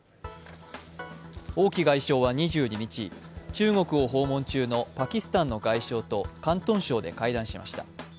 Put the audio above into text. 王毅外相は２２日、中国を訪問中のパキスタンの外相と広東省で会談しました。